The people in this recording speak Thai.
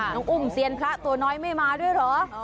อุ้มเซียนพระตัวน้อยไม่มาด้วยเหรอ